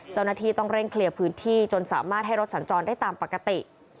เจ้าหน้าที่ต้องเร่งเคลียร์พื้นที่จนสามารถให้รถสัญจรได้ตามปกติ